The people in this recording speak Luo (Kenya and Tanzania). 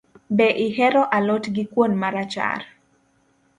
Be ihero a lot gi kuon marachar.